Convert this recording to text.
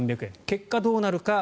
結果どうなるか。